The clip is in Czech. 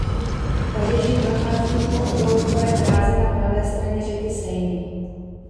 Paříží prochází po obloukové dráze na pravé straně řeky Seiny.